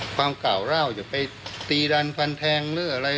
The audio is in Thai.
ความกล่าวเล่าอย่าไปตีดันฟันแทงหรืออะไร